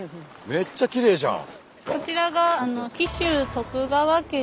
めっちゃきれいじゃん！